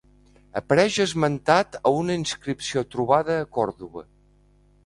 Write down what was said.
Apareix esmentat a una inscripció trobada a Còrdova.